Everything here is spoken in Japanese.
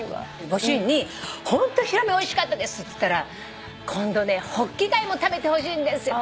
ご主人に「ホントヒラメおいしかったです」っつったら「今度ねホッキ貝も食べてほしいんですよ」